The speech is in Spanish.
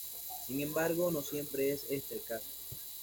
Sin embargo, no siempre es este el caso.